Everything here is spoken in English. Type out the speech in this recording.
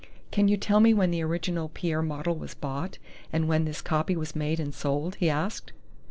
"Can you tell me when the original Pierre model was bought, and when this copy was made and sold?" he asked.